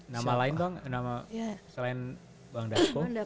nama lain selain bang dasko